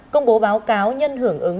công bố báo cáo nhân hưởng ứng